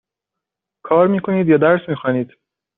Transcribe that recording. کار می کنید یا درس می خوانید؟